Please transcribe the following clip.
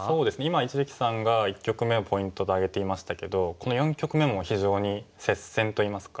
今一力さんが一局目をポイントと挙げていましたけどこの四局目も非常に接戦といいますか。